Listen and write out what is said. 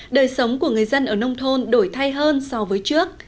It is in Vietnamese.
đời sống của người dân ở nông thôn đổi thay hơn so với trước